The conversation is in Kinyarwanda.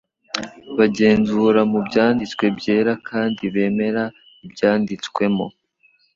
Bagenzura mu Byanditswe byera kandi bemera ibyanditswemo